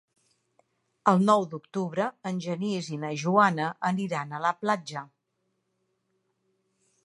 El nou d'octubre en Genís i na Joana aniran a la platja.